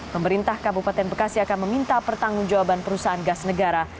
pemerintah kabupaten bekasi akan meminta pertanggungjawaban perusahaan gas negara